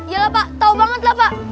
yalah pak tau banget lah pak